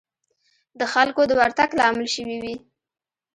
د خلکو د ورتګ لامل شوې وي.